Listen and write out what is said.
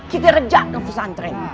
kita rejak ke pusat antren